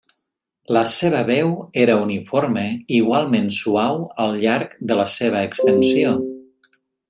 La seva veu era uniforme i igualment suau al llarg de la seva extensió.